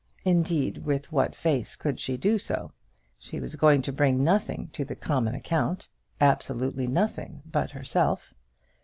Indeed, with what face could she do so? She was going to bring nothing to the common account, absolutely nothing but herself!